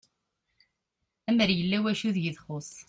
Amer yella wacu deg i txuss